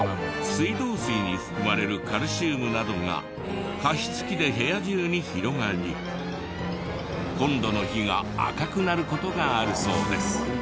水道水に含まれるカルシウムなどが加湿器で部屋中に広がりコンロの火が赤くなる事があるそうです。